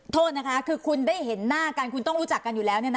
โทษนะคะคือคุณได้เห็นหน้ากันคุณต้องรู้จักกันอยู่แล้ว